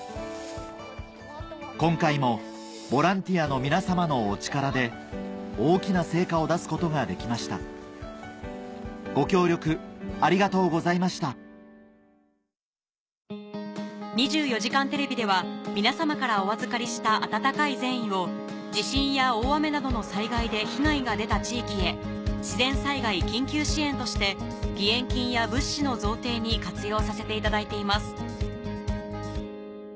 今回もボランティアの皆さまのお力で大きな成果を出すことができましたご協力ありがとうございました『２４時間テレビ』では皆さまからお預かりした温かい善意を地震や大雨などの災害で被害が出た地域へ自然災害緊急支援として義援金や物資の贈呈に活用させていただいています